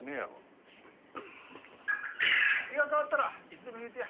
気が変わったらいつでも言うてや。